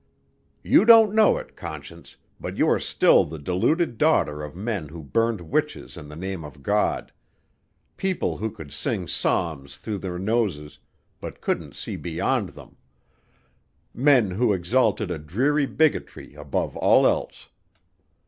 "You don't know it, Conscience, but you are still the deluded daughter of men who burned witches in the name of God; people who could sing psalms through their noses, but couldn't see beyond them; men who exalted a dreary bigotry above all else.